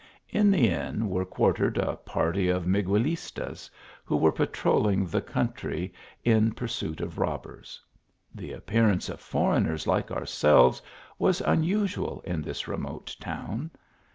In the inn were quartered a party of Miguelistas, who were patrolling the coun try in pursuit of robbers. The appearance of for eigners like ourselves was unusual in this remote town.